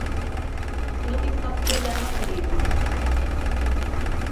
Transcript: No tinc cap problema en dir-ho.